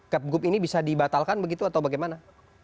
kepgub ini bisa dibatalkan begitu atau bagaimana